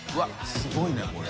すごいねこれ。